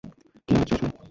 কি হচ্ছে এসব?